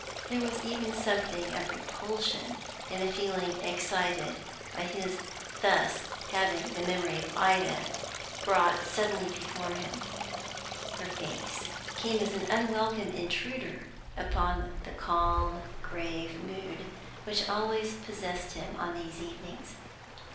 There was even something of repulsion in the feeling excited by his thus having the memory of Ida brought suddenly before him; her face came as an unwelcome intruder upon the calm, grave mood which always possessed him on these evenings.